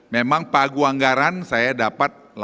memang pagu anggaran saya dapat